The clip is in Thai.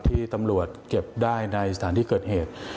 ที่ตำรวจเก็บได้ในสถานที่เกิดเหตุ